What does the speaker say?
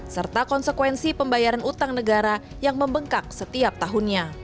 serta konsekuensi pembayaran utang negara yang membengkak setiap tahunnya